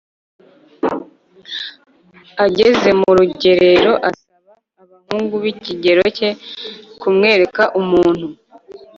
Ageze mu rugerero asaba abahungu b'ikigero ke kumwereka umuntu